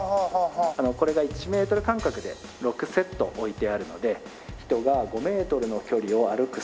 これが１メートル間隔で６セット置いてあるので人が５メートルの距離を歩く